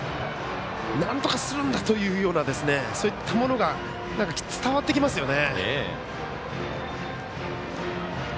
なんとかするんだ！というようなそういったものが伝わってきますよね。